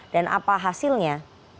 dan apa hasilnya